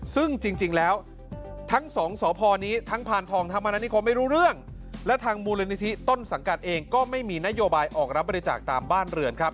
ซึ่งจริงแล้วทั้งสองสพนคไม่รู้เรื่องและทางมูลนิธิต้นสังการเองก็ไม่มีนโยบายออกรับบริจาคตามบ้านเรือนครับ